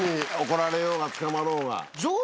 怒られようが捕まろうが。